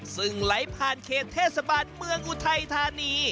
ซึ่งไหลผ่านเขตเทศบาลเมืองอุทัยธานี